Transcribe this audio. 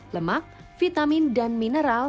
lemak vitamin dan mineral